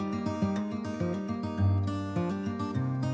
jadi kita pelajari després untuk lari langkah manco